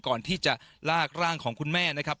ก่อนที่จะลากร่างของคุณแม่นะครับ